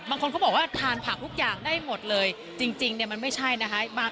บางคนเขาบอกว่าทานผักทุกอย่างได้หมดเลยจริงเนี่ยมันไม่ใช่นะคะ